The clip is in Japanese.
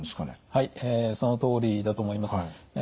はいそのとおりだと思います。